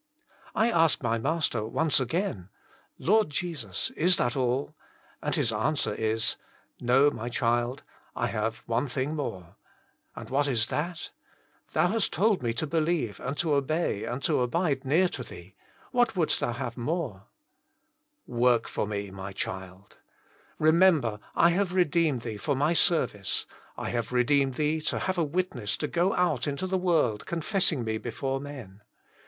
I ask my Master once again, Lord Jesus, is that all ?" And his answer is : '*No, my child; I have one thing more. "*< And what is that ? Thou hast told me to believe, and to obey, and to abide near to Thee: what wouldst Thou have more ?" JestLS Himself, 63 ''THUorft for me, xta^ cbtlD. Remember, I have redeemed thee for My service; I have redeemed thee to have a witness to go out into the world confessing Me before men."